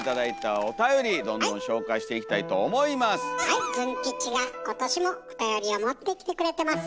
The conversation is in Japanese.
はいズン吉が今年もおたよりを持ってきてくれてます。